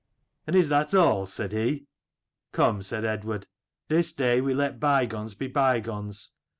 '"And is that all? 'said he. 28 "'Come/ said Eadward: 'this day we let bygones be bygones.